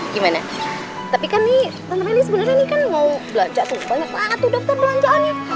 gimana tapi kan nih semuanya nih kan mau belanja juga n sowannya dokter belanja aja